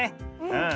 うん。